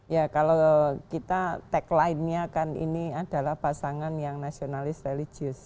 ya kalau kita tagline nya kan ini adalah pasangan yang nasionalis religius